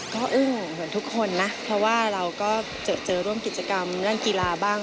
ก็อึ้งเหมือนทุกคนนะเพราะว่าเราก็เจอร่วมกิจกรรมเรื่องกีฬาบ้าง